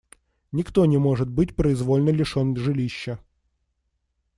Никто не может быть произвольно лишен жилища.